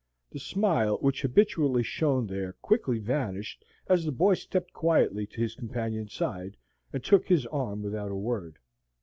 The smile which habitually shone there quickly vanished as the boy stepped quietly to his companion's side, and took his arm without a word.